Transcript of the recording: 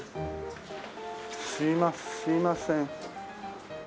すいません。